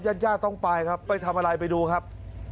ย่าต้องไปครับไปทำอะไรไปดูครับ